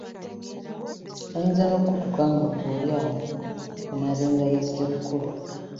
Ayinza nokukutuka nga ggwe oli awo onaaba ngalo ezitatukula.